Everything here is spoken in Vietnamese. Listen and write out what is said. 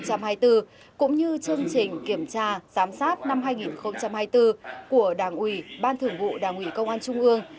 cũng như chương trình kiểm tra giám sát năm hai nghìn hai mươi bốn của đảng ủy ban thưởng vụ đảng ủy công an trung ương